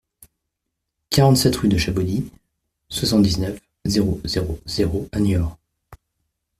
quarante-sept rue Chabaudy, soixante-dix-neuf, zéro zéro zéro à Niort